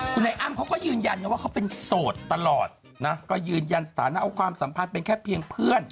คุณไอ้อ้ำเขาก็ยืนยันนะว่าเขาเป็นโสดตลอดนะก็ยืนยันสถานะเอาความสัมพันธ์เป็นแค่เพียงเพื่อน